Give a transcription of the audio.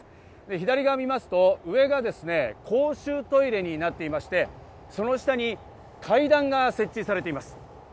左側を見ると上が公衆トイレになっていまして、その下に階段が設置されています。